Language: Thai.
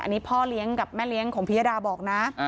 อันนี้พ่อเลี้ยงกับแม่เลี้ยงของพิยดาบอกนะ